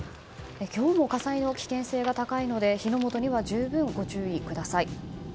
今日も火災の危険性が高いので火の元には十分ご注意ください。